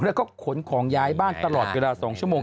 แล้วก็ขนของย้ายบ้านตลอดเวลา๒ชั่วโมง